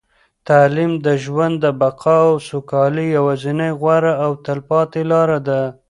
تعلیم د ژوند د بقا او سوکالۍ یوازینۍ، غوره او تلپاتې لاره ده.